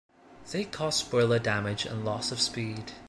They caused boiler damage and loss of speed.